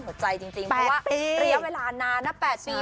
หัวใจจริงเพราะว่าระยะเวลานานนะ๘ปี